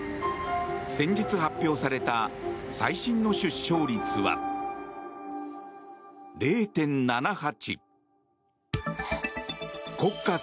先日、発表された最新の出生率は、０．７８。